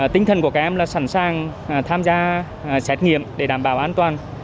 tinh thần của các em là sẵn sàng tham gia xét nghiệm để đảm bảo an toàn